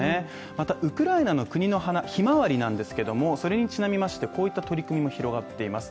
またウクライナの国の花、ひまわりなんですけれどもそれにちなみましてこういった取り組みも広がっています。